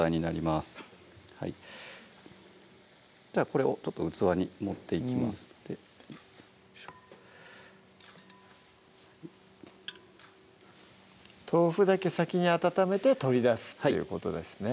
これを器に盛っていきますので豆腐だけ先に温めて取り出すっていうことですね